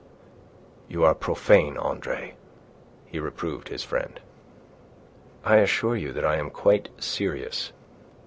"You are profane, Andre," he reproved his friend. "I assure you that I am quite serious.